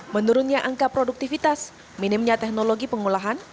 menurunnya angka produktivitas minimnya teknologi pengolahan